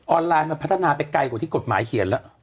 ไลน์มันพัฒนาไปไกลกว่าที่กฎหมายเขียนแล้ว